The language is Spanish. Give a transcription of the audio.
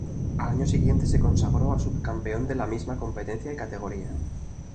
Al año siguiente se consagró subcampeón de la misma competencia y categoría.